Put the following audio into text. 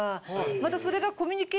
またそれが。